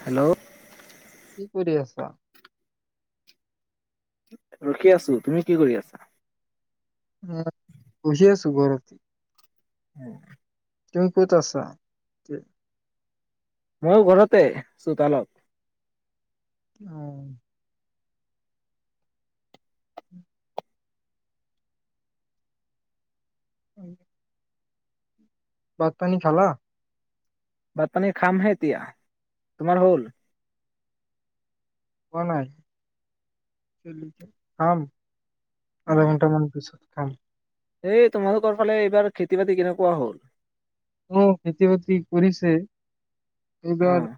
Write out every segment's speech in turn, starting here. Hello. কি কৰি আছা? ৰখি আছো, তুমি কি কৰি আছা? উ পহি আছোঁ গৰতে উম। তই ক'ত আছা? ময়ো ঘৰতে চোতালত। অ'। [inaudible] বাদ পানী খালা? বাটপানী খামহে এতিয়া, তোমাৰ হ'ল? খোৱা নাই কম আধা ঘণ্টা মান পিছত। খাম এই তোমালোকৰ ফালে এইবাৰ খেতি বাতি কেনেকুৱা হ'ল? উ খেতি বাতি কৰিছে। অ' এইবাৰ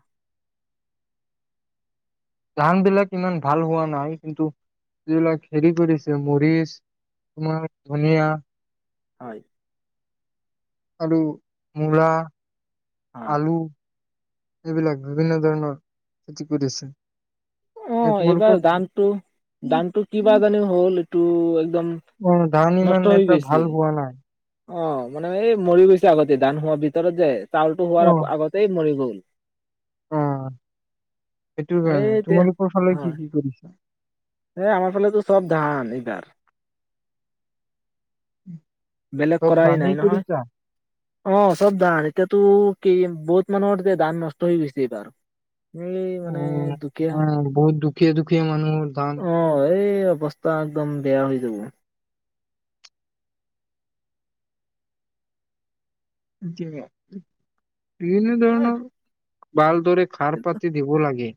ধান বিলাক ইমান ভাল হোৱা নাই, কিন্তু যিবিলাক হেৰি কৰিছে মৰিচ, তমাৰ ধনিয়া, হয়। আৰু মূৰা হয় আলু এইবিলাক বিভিন্ন ধৰণৰ খেতি কৰিছে। অ এ, তোমালোকৰ এইবাৰ দামটো দামতটো কিবা জানো হ'ল টো অ ধান ইমান এটা ভাল হোৱা নাই। অ মানে এই মৰি গৈছে আগতে দান হোৱাৰ ভিতৰত যে চাউলটো অ হোৱাৰ আগতেই মৰি গ'ল। [inaudible] অ সেইটো এই কাৰণে তোমালোকৰ ফালে কি কি কৰিছা? হে আমাৰ ফালেতো চব ধান এইবাৰ উম বেলেগ কৰাই নাই নহয় অ চব ধান এতিয়াতো কি বহুত মানুহৰতিয়া দান নষ্ট হৈ গৈছে এইবাৰ এই মানে দুখীয়া [unintelligible] বহুত দুখীয়া দুখীয়া মানুহৰ ধান অ এই অৱস্থা একদম বেয়া হৈ যাব। [unintelligible] পিনে এ ধণ বাল দৰে খাৰ পাতি দিব লাগে।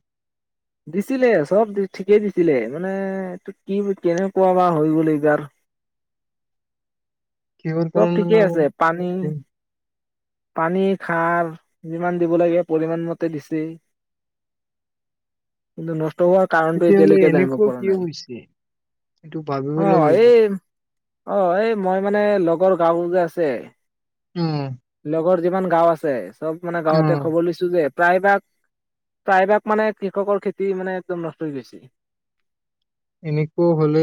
দিছিলে চব ঠিকেই দিছিলে মানে কি কেনেকুৱা বা হৈ গ'ল এইবাৰ কিহৰ চব কাৰণে ঠিকেই নাজানো আছে পানী পানী খাৰ যিমান দিব লাগে পৰিমমান মতে দিছে কিন্তু নষ্ট হোৱাৰ কাৰণটো তেতিয়াহ'লে এতিয়ালৈকে জানিব এনেকুৱা পৰা কিয় নাই হৈছে এইটো ভাবিব অ লাগিব। এই অ এই মই মানে লগ গড় গাঁও যে আছে উম লগৰ যিমান গাঁও আছে চব মানে গাঁৱতে খবৰ লৈছো যে প্ৰায়ভাগ প্ৰায়ভাগ মানে কৃষকৰ খেতি মানে একদম নষ্ট হৈ গেছে এনেকুৱা হলে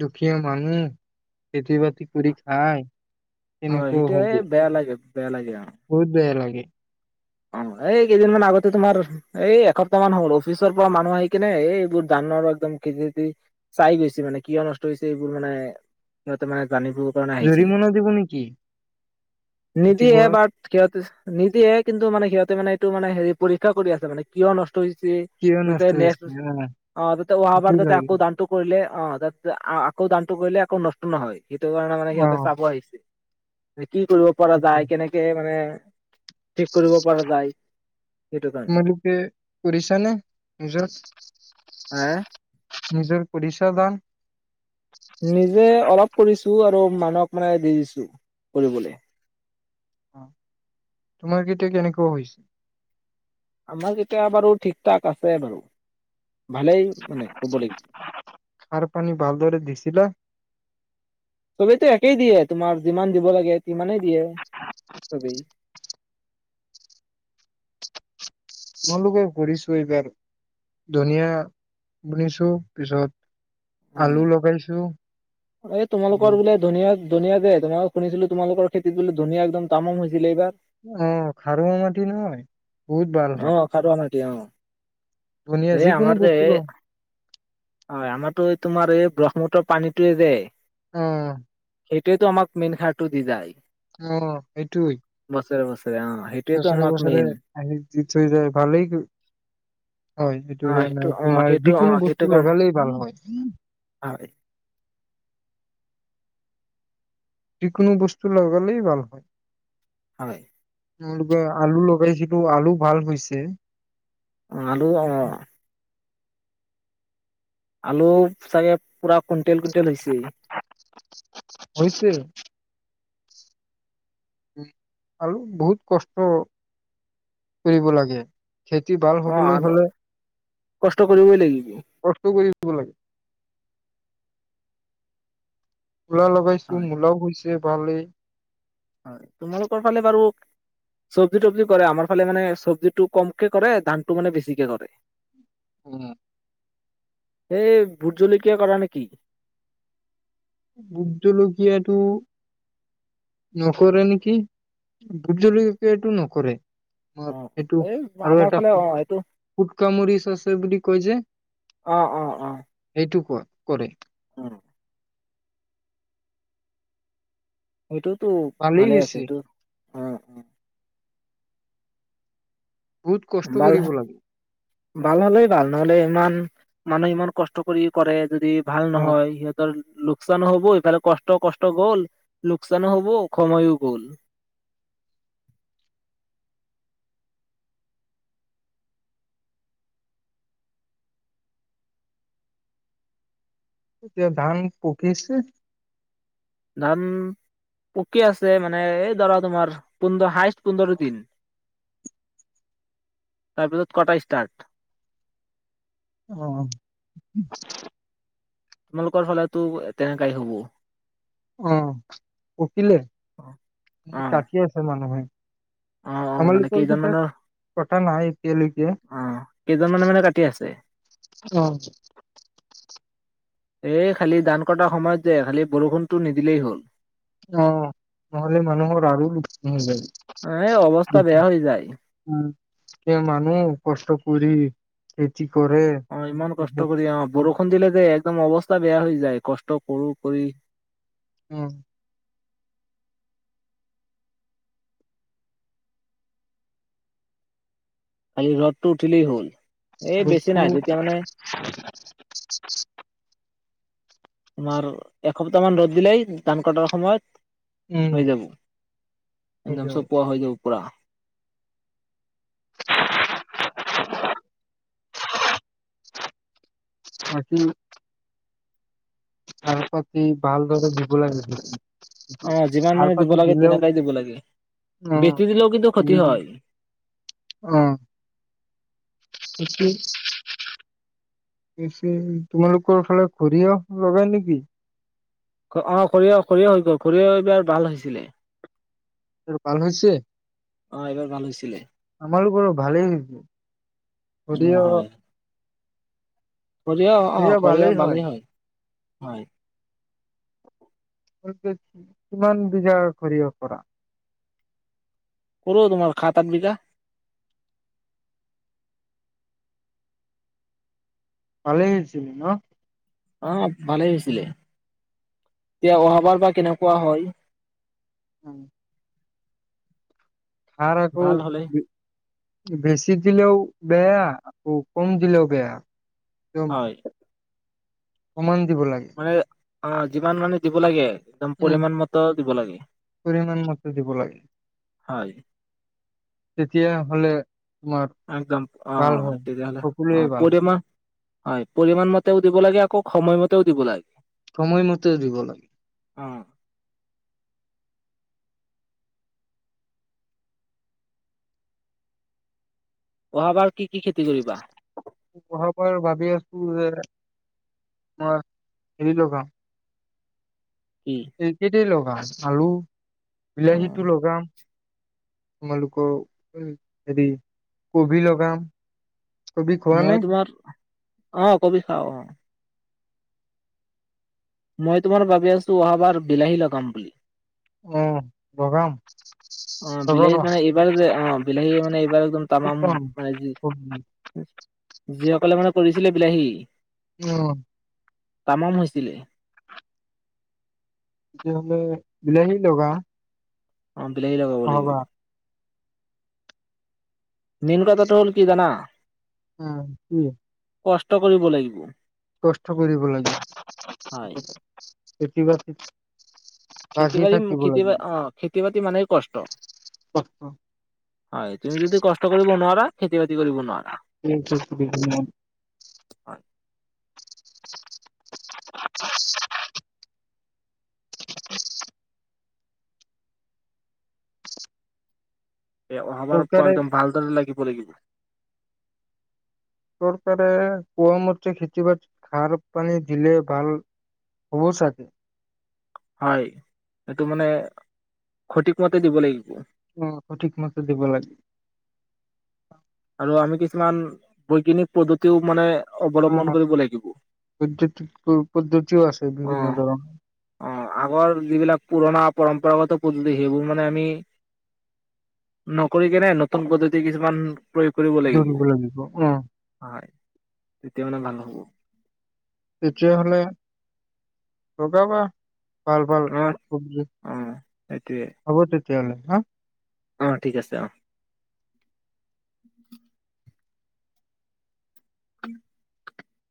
দুখীয়া মানুহ খেতি বাতি কৰি খাই হয় তেনেকুৱাও হব সেইটোয়ে বেয়া লাগে বেয়া লাগে অ বহুত বেয়া লাগে [unintelligible] অ এই কেইদিনমান আগতে তোমাৰ এই এসপ্তাহ মান হল অফিচৰ পৰা মানুহ আহি কিনে এই এইবোৰ ধানৰ একদম খেতি খেতি চাই গৈছে মানে কিয় নষ্ট হৈছে এইবোৰ মানে সিহঁতে মানে জানিব কাৰণে আহিছিলে জৰিমনা দিব নেকি নীতি খেতি একব কৰাত ক নীতি এক কিন্তু মানে সিহঁতে মে এইটো মানে পৰীক্ষা কৰি আছে মানে কিয় নষ্ট নষ্ট হৈছে কিয় যাতে নষ্ট নেষ্ট হৈছে অ' অহা বাৰ সেইটোৱে লাগে আকৌ ধানটো কৰিলে অ তাৰ আকৌ ধানটো কৰিলে আকৌ নষ্ট নহয় সেইটো কাৰণে মানে সিহতে অ' চাব আহিছে কি কৰিব পৰা সেইটোৱে। যায় কেনেকে মানে ঠিক কৰিব পৰা যায় সেইটো কাৰণে তোমালোকে কৰিছা নে মেচেছ হা নিজৰ উৰিশ্য গান নিজে অলপ কৰিছো আৰু মানুহক মানে দি দিছো কৰিবলৈ অ তোমাৰকেইটা কেনেকুৱা হৈছে আমাৰ যেতিয়া বাৰু ঠিক ঠাক আছে বাৰু ভালেই মানে ক'ব লাগিব সাৰ পানী ভালদৰে দিছিলা চোবে টো একেই দিয়ে তোমাৰ যিমান দিব লাগে সিমানেই দিয়ে ছবি তোমালোকে ঘূৰিছো এইবাৰ ধনিয়া বুনিছো পিছত উম আলু লগাইছো এই আৰু তোমালোকৰ বোলে ধুনীয়া ধনীয়া যে তোমাক শুনিছিলো তোমালোকৰ খেতিত বোলে ধনীয়া একদম তামাম হৈছিলে এইবাৰ অ খাৰুৱা মাটি নহয় বহুত ভাল হয় তেওঁ ধনিয়া এই, যিকোনো আমাৰযে বস্তু এ, ল হয় আমাৰ দৈ তোমাৰ এই ব্ৰহ্মপুত্ৰ পানীতোয়ে যে উম। সেইটোৱেইটো আমাক মেইন সাৰটো দি যায়। অ', সেইটোৱে। [unintelligible] সেইটোয়েতো আমাক বছৰে-বছৰে মেইন আহি, যি চুই যায় ভালেই [inaudible] হয়, অ সেইটো কাৰণে অ তোমাৰ সেইটো অ যিকোনো সেইটো বস্তু কাৰণে লগালেই ভাল হয়। হয় যিকোনো বস্তু লগালেই ভাল হয়। হয়। তোমলোকে আলু লগাই সিটো আলু ভাল হৈছে। অ', আলু অ। আলু চাগে পূৰা কুইণ্টেল-কুইণ্টেল হৈছে। হৈছে। আৰু বহুত কষ্ট, কৰিব লাগে। খেতি ভাল হবলৈ অ', হলে কষ্ট কৰিবই লাগিব। কিব লাগে মূলা লগাইছো হয় মূলাও হৈছ [unintelligible] হয়, তোমালোকৰ ফালে বাৰু চব্জি-তব্জি কৰে আমাৰ ফালে মানে চব্জিটো কমকে কৰে ধানটো মানে বেছিকে কৰে। উম। এই ভোট জলকীয়া কৰা নেকি। ভুট জলকীয়াটো, নকৰে নেকি, ভুত জলকীয়াটো নকৰে। অ, অ সেইটো এই আৰু আমাৰ এটা ফালে অ এইটো ফু-ফুটকামুৰিচ আছে বুলি কয় যে, অ অ অ সেইটো কয়। কৰে অ। সেইটোতো ভালেই ভালে আছে হৈছে টো, অ', অ। বহুত কষ্ট ভাল কৰিব লাগে। ভাল হলেই ভাল, নহ'লে ইমান, মানুহ ইমান কষ্ট কৰি কৰে। যদি ভাল অ নহয় সিহঁতৰ লোকচান হ'ব এইফালে কষ্ট-কষ্ট গ'ল, লোকচানো হ'ব সময়ও গ'ল। এতিয়া ধান পকিছে। ধান পকি আছে মানে এই ধৰা তোমাৰ, পোন্ধৰ হাইষ্ট পোন্ধৰ দিন, তাৰপিছত কটা ষ্টাৰ্ট। অ' [unintelligible] তোমালোকৰ ফালেতো তেনেকাই হ'ব। অ', পকিলে, অ কাটি আছে মানুহে। আহ অ মানে আমালোকৰ কেইজন কেতিয়া মানৰ কটা নাই এতিয়ালৈকে আহ কেইজনমানানৰ মানে কাটি আছে অ এই খালি দান কৰাাৰ সময়ত যে খালি বৰষুণটো নিদিলেই হল অ' নহলে মানুহৰ আৰু দুখ ন এ অৱস্থা যায়খ বেয়া হৈ যায় উ কি মানুহ কষ্ট কৰি সতি অ ইমান কষ্ট কৰি অ বৰষুণ দিলে দে একদম অৱস্থা বেয়া হৈ যায় কষ্ট কৰোঁ কৰি, উম খালি ৰদটো উঠিলই হ'ল। এই বেছি নাই যিটো যেতিয়া মানে তোমাৰ এসপ্তাহ মান ৰ'দ দিলেই ধান কটাৰ উম, সময়ত হৈ যাব হৈ একদম যাব চব পোৱা হৈ যাব কৰা [unintelligible] বি তাৰপ ভালদৰে দিব লাগিছিল। আহ যিমান মানে দিব লাগে তেনেকাই দিব লাগে অ', বেছি দিলেও কিন্তু ক্ষতি হয় অ', তোমালোকৰ ফালে সৰিয়হ লগা নেকি অ সৰিয়হ হৈ গল সৰি এইবাৰ ভাল হৈছিলে ভাল হৈ হৈছে অ এইবাৰ ভাল হৈছিলে আমালোকৰো ভালেই হৈছে উম যদিঅ হয় সৰিয়হ অ' সৰিয়হ ভালেই হয়। হয়। কিমান বজা সৰিয়হ কৰিব পৰা কৰো তোমাৰ সাত আঠ বিঘা ভালেছিলিল ন আহ ভালেই হৈছিলে এতিয়া অহাবাৰ বা কেনেকুৱা হয় উম আৰু একো ভাল হলে বেছি দিলেও বেয়া আৰু কম দিলেও বেয়া একদম হয় সমান দিব লাগে মানে অ' যিমান মানে দিব লাগে একদম উম। পৰিমান মত দিব লাগে। পৰিমাণ মতে দিব লাগে হয় তেতিয়া হলে, তোমাৰ একদম অ ভাল হয়। তেতিয়া হ'লে সকলোৱে অ ভাল হয়। পৰিমান হয়, পৰিমাণ মতেও দিব লাগে আকৌ সময়মতেও দিব লাগ- সময় মতে দিব লাগে। অহ। অহা বাৰ- অহাবাৰ ৱান- [unintelligible] যে অহ হৰি লগাম- কি এই [unintelligible] বা আৰু- অ বিলাহীতো লোগাম। তোমালোকৰ, উম, হেৰি, কবি লগাম। কবি খোৱা নে মই তোমাৰ- অহ, কবি খাওঁ, অহ। মই তোমাৰ ভাবি আছোঁ অহাবাৰ বিলাহী লগাম বুলি। অহ, লগাম। অহ বিলাহীত লগাবা মানে এইবাৰ যে, অহ, বিলাহী মানে এইবাৰ একদম তামাম, এ যি কবি এ যিসকলে মানে কৰিছিলে বিলাহী- হি উম তামাম হৈছিলে। তেতিয়া হলে বিলাহী লগা। অহ, বিলাহী লগাব লাগিব। মেইন কথাটো হ'ল কি জানা? উম, কি? কষ্ট কৰিব লাগিব। কষ্ট কৰিব লাগে হয় [unintelligible] খেতি-বাতিত খেতি-বাৰি ম খেতি অ, খেতি-বাতি মানেই কষ্ট। কষ্ট হয়, তুমি যদি কষ্ট কৰিব নোৱাৰা, খেতি-বাতি কৰিব নোৱা- হয় [unintelligible] এ অহাবাৰ পৰা চৰকাৰে একদম ভালদৰে লাগিব লাগিব। চৰকাৰে কোৱা মতে খেতি-বাতিত সাৰ-পানী দিলে ভাল হ'ব চাগে। হয়, সেইটো মানে সঠিক মতে দিব লাগিব। উম, সঠিক মতে দিব লাগে। আৰু আমি কিছুমান বৈজ্ঞানিক পদ্ধতিও মানে অৱলম্বন অহ। কৰিব পদ্ধতি অ পদ্ধ- অহ অহ। আগৰ যিবিলাক পুৰণা- পৰম্পৰাগত পদ্ধতি সেইবোৰ মানে আমি, নকৰি কেনে নতুন পদ্ধতি কিছুমান প্ৰয়োগ কৰিব ধৰিব লাগিব, অহ। হয় তেতিয়া মানে ভাল হ'ব। তেতিয়াহলে লগাবা ভাল ভাল অ হব অ সেইটোৱে তে তেতিহলে হা অ ঠিক আছে অ উম